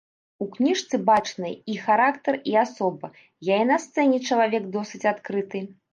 У кніжцы бачныя і характар, і асоба, я і на сцэне чалавек досыць адкрыты.